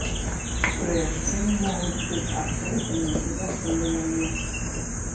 Трэшчыны могуць быць адкрытымі і зачыненымі.